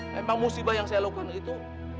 memang musibah yang saya lakukan itu